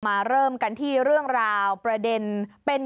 มาเริ่มกันที่เรื่องราวประเด็นเป็น